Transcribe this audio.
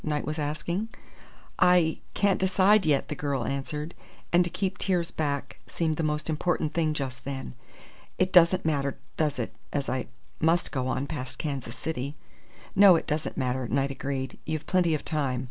Knight was asking. "I can't decide yet," the girl answered; and to keep tears back seemed the most important thing just then. "It doesn't matter, does it, as I must go on past Kansas City?" "No, it doesn't matter," Knight agreed. "You've plenty of time.